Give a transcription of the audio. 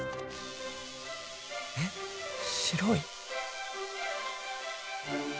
えっ白い。